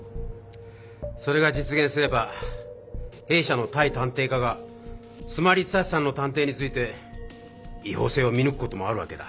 それが実現すれば弊社の対探偵課がスマ・リサーチさんの探偵について違法性を見抜くこともあるわけだ。